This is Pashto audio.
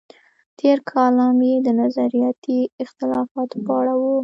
تېر کالم یې د نظریاتي اختلافاتو په اړه و.